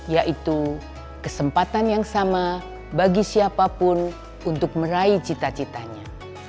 yaitu kesempatan yang sama bagi siapapun untuk meraih cita citanya